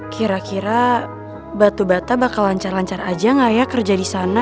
kira kira batu bata bakal lancar lancar aja gak ya kerja di sana